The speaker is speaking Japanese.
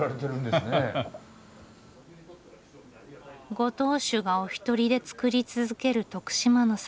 ご当主がお一人で造り続ける徳島の酒。